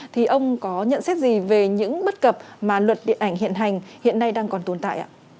thì ông có nhận xét gì về những bất cập mà luật điện ảnh hiện hành hiện nay đang còn tồn tại ạ